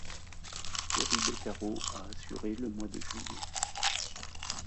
Thierry Beccaro a assuré le mois de juillet.